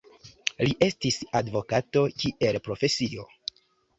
Li estis advokato kiel profesio.